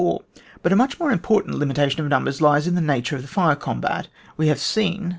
But a much more important limi tation of numbers lies in tlie nature of the fire combat. We have seen (No.